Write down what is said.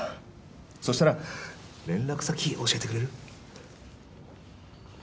そしたら連絡先教えてくれる？